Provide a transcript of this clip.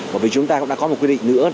bởi vì chúng ta cũng đã có một quy định nữa